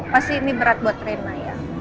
pasti ini berat buat rina ya